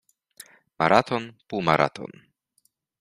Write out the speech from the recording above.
Maraton, półmaraton.